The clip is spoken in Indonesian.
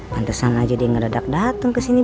pantesan aja dia ngedadak dateng kesini